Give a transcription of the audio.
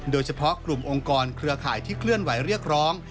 โดยเฉพาะกลุ่มองค์กรเครือข่ายที่เคลื่อนไหวเรียกร้อง